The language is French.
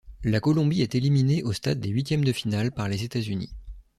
La Colombie est éliminée au stade des huitièmes de finale par les États-Unis.